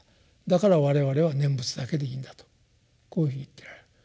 だから我々は念仏だけでいいんだとこういうふうに言っておられる。